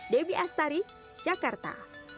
debbie astari jakarta